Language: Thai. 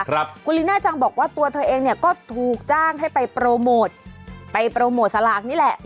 คุณลิน่าจังบอกว่าตัวเธอเองเนี่ยก็ถูกจ้างให้ไปโปรโมทไปโปรโมทสลากนี่แหละ